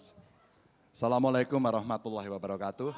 assalamu'alaikum warahmatullahi wabarakatuh